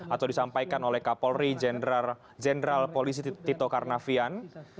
atau disampaikan oleh kapolri jenderal polisi tito karnavian